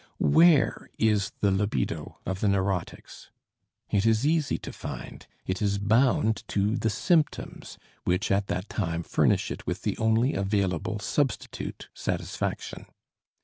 Where is the libido of the neurotics? It is easy to find; it is bound to the symptoms which at that time furnish it with the only available substitute satisfaction.